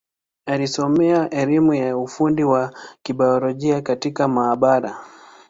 Alisomea elimu ya ufundi wa Kibiolojia katika maabara.